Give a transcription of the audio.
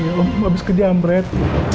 ya om abis ke jamret